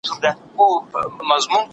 ازلي ژوند یوازي د خدای لپاره دی.